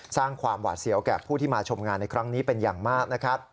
สร้างความหวาดเสียวแก่ผู้ที่มาชมงานในครั้งนี้เป็นอย่างมากนะครับ